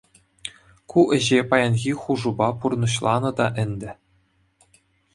Ку ӗҫе паянхи хушупа пурнӑҫланӑ та ӗнтӗ.